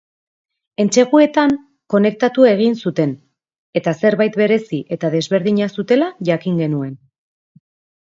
Entseguetan konektatu egin zuten, eta zerbait berezi eta desberdina zutela jakin genuen.